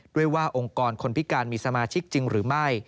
ด้วยว่าองค์กรคนพิการมีสมาชิกจริงหรือไม่